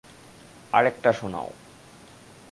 আরেকটা শোনাও।